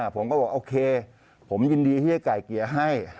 ผมก็บอกโอเคผมยินดีที่จะไก่เกลี่ยให้